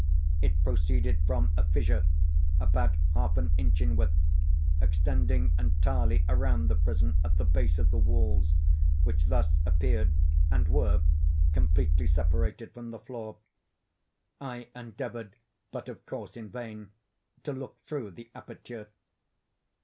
It proceeded from a fissure, about half an inch in width, extending entirely around the prison at the base of the walls, which thus appeared, and were, completely separated from the floor. I endeavored, but of course in vain, to look through the aperture.